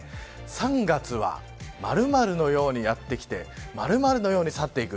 ３月は○○のようにやってきて○○のように去っていく。